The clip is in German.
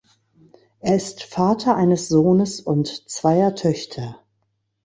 Er ist Vater eines Sohnes und zweier Töchter.